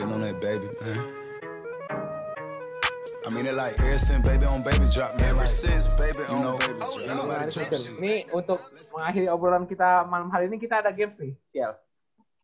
ini untuk mengakhiri obrolan kita malam hari ini kita ada games nih